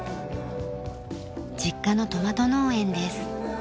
実家のトマト農園です。